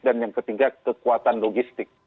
dan yang ketiga kekuatan logistik